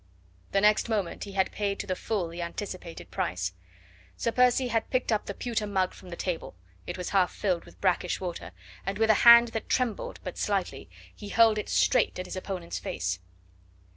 The next moment he had paid to the full the anticipated price. Sir Percy had picked up the pewter mug from the table it was half filled with brackish water and with a hand that trembled but slightly he hurled it straight at his opponent's face.